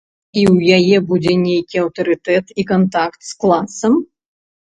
І ў яе будзе нейкі аўтарытэт і кантакт з класам?